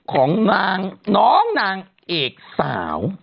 ของน้องนางเอกสาว